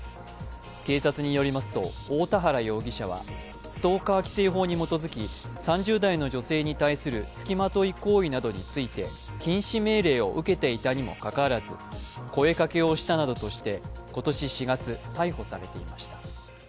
警察によりますと、太田原容疑者はストーカー規制法に基づき３０代の女性に対する付きまとい行為などについて禁止命令を受けていたにもかかわらず声かけをしたなどとして今年４月、逮捕されていました。